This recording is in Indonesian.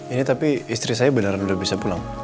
ini tapi istri saya beneran udah bisa pulang